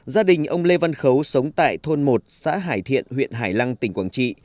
gia đình ông lê văn khấu sống tại thôn một xã hải thiện huyện hải lăng tỉnh quảng trị